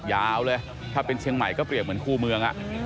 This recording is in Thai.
ยาวเลยถ้าเป็นเชียงใหม่ก็เปรียบเหมือนคู่เมือง